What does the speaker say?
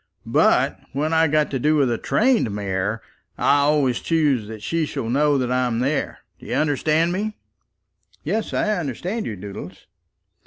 But when I've got to do with a trained mare, I always choose that she shall know that I'm there! Do you understand me?" "Yes; I understand you, Doodles."